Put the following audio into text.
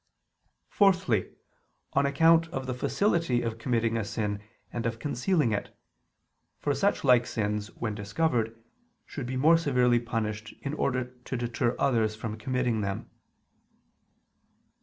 Fourthly, on account of the facility of committing a sin and of concealing it: for such like sins, when discovered, should be more severely punished in order to deter others from committing them.